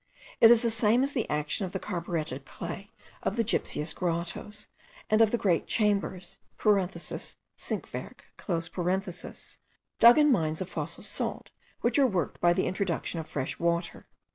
It is the same as the action of the carburetted clay of the gypseous grottoes, and of the great chambers (sinkwerke) dug in mines of fossil salt which are worked by the introduction of fresh water.